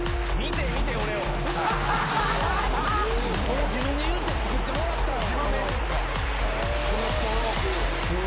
これ自分で言うて作ってもらったんや。